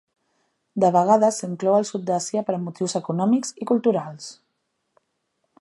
De vegades s'inclou el sud d'Àsia per motius econòmics i culturals.